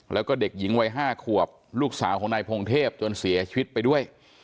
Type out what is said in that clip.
แล้วก็เด็กหญิงวัย๕ขวบลูกสาวของนายพงเทพจนเสียชีวิตไปด้วย